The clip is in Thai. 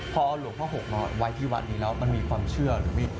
พอเอาหลวงพ่อหกมาไว้ที่วัดนี้แล้วมันมีความเชื่อหรือไม่